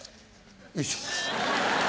よいしょ。